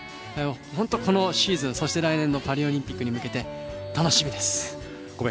本当に、このシーズンそして来年のパリオリンピックに向けて楽しみです。